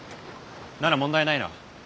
なら問題ないな。